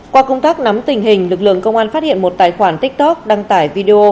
qua công tác nắm tình hình lực lượng công an phát hiện một tài khoản tiktok đăng tải video